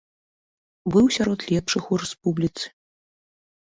Быў сярод лепшых у рэспубліцы.